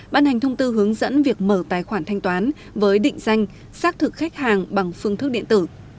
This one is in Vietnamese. ban hành thông tư hướng dẫn việc mở tài khoản thanh toán với định danh xác thực khách hàng bằng phương thức điện tử